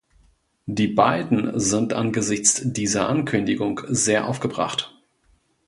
Die beiden sind angesichts dieser Ankündigung sehr aufgebracht.